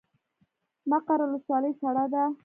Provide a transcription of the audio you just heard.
مقر ولسوالۍ سړه ده؟